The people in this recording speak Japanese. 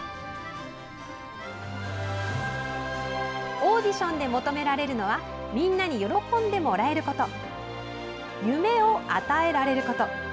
オーディションで求められるのはみんなに喜んでもらえること夢を与えられること。